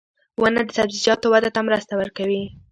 • ونه د سبزیجاتو وده ته مرسته کوي.